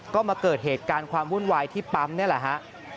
ก็มาเกิดเหตุการณ์ความวุ่นวายที่ปั๊มนี่แหละฮะ